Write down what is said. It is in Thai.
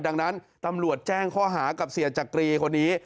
ดังนั้นตำรวจแจ้งข้อหากับเสียจักรีคนนี้